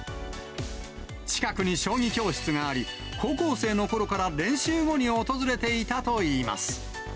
近くに将棋教室があり、高校生のころから練習後に訪れていたといいます。